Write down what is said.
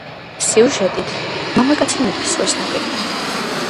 სიუჟეტით, მამაკაცი მიდის ზღვის ნაპირთან.